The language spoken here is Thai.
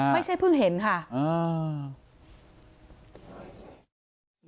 ไม่ใช่เพิ่งเห็นค่ะ